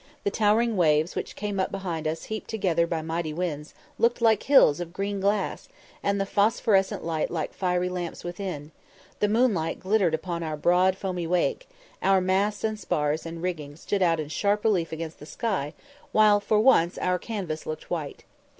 The towering waves which came up behind us heaped together by mighty winds, looked like hills of green glass, and the phosphorescent light like fiery lamps within the moonlight glittered upon our broad foamy wake our masts and spars and rigging stood out in sharp relief against the sky, while for once our canvas looked white.